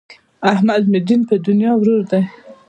احمد مې دین په دنیا ورور دی.